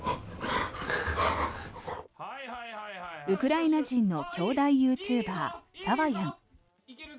ウクライナ人の兄弟ユーチューバー、サワヤン。